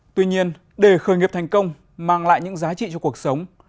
tuy nhiên để khởi nghiệp thành công mang lại những giá trị cho cuộc sống